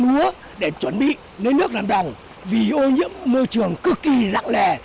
núa để chuẩn bị lấy nước làm đồng vì ô nhiễm môi trường cực kỳ rạng lè